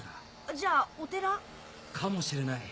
じゃお寺？かもしれない。